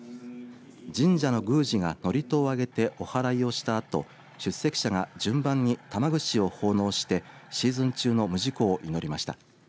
神社の宮司が祝詞をあげておはらいをしたあと出席者が順番に玉串を奉納してシーズン中の無事故を祈りました。